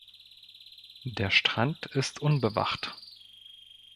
Der Strand ist unbewacht.